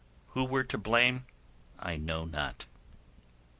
Who were to blame I know not.